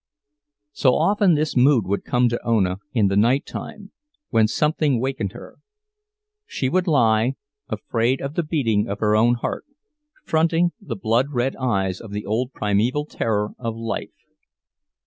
So often this mood would come to Ona, in the nighttime, when something wakened her; she would lie, afraid of the beating of her own heart, fronting the blood red eyes of the old primeval terror of life.